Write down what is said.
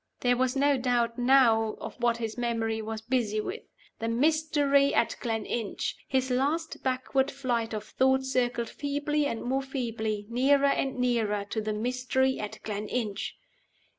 There was no doubt now of what his memory was busy with. The mystery at Gleninch! His last backward flight of thought circled feebly and more feebly nearer and nearer to the mystery at Gleninch!